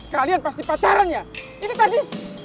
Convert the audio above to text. kalian pasti pacaran ya ini tadi